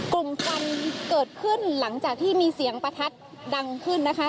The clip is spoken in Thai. กลุ่มควันเกิดขึ้นหลังจากที่มีเสียงประทัดดังขึ้นนะคะ